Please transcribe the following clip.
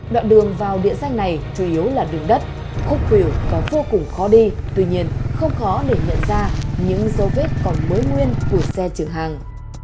đoạn đường vào địa danh này chủ yếu là đường đất khúc biểu có vô cùng khó đi tuy nhiên không khó để nhận ra những dấu vết còn mới nguyên của xe chở hàng